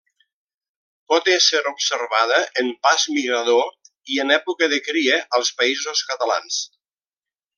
Pot ésser observada en pas migrador i en època de cria als Països Catalans.